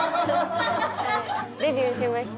デビューしました。